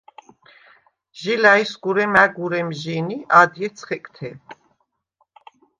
ჟი ლა̈ჲსგურე მა̈გ ურემჟი̄ნ ი ადჲე ცხეკთე.